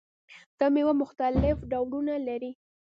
دا میوه مختلف ډولونه لري.